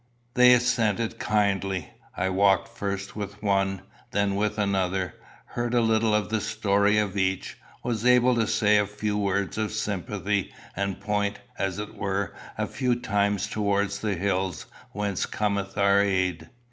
They assented kindly. I walked first with one, then with another; heard a little of the story of each; was able to say a few words of sympathy, and point, as it were, a few times towards the hills whence cometh our aid.